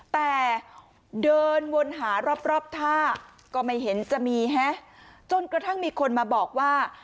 แต่เดินวนหารอบท่าก็ไม่เห็นจะมีฮะจนกระทั่งมีคนมาบอกว่า